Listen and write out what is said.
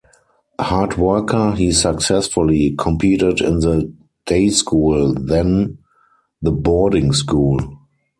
Hard-worker, he successfully competed in the day school then the boarding school.